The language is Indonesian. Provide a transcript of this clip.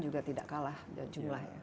jumlahnya juga tidak kalah